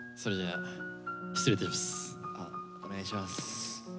あお願いします。